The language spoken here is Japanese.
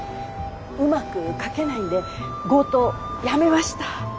うまく書けないんで強盗やめました。